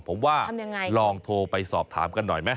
ผมว่าลองโทรไปสอบถามกันหน่อยไหม